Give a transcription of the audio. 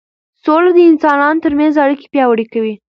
سوله د انسانانو ترمنځ اړیکې پیاوړې کوي